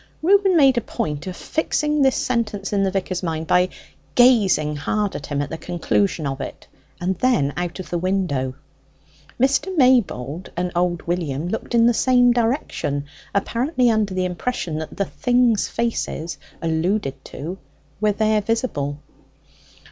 Reuben made a point of fixing this sentence in the vicar's mind by gazing hard at him at the conclusion of it, and then out of the window. Mr. Maybold and old William looked in the same direction, apparently under the impression that the things' faces alluded to were there visible.